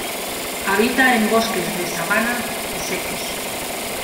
Habita en bosques de sabana y secos.